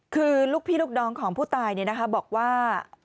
คือลูกพี่ลูกน้องของผู้ตายเนี่ยนะคะบอกว่า